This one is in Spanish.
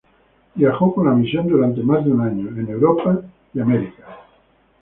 Viajó con la misión durante más de un año, en Europa y Estados Unidos.